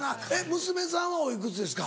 娘さんはおいくつですか？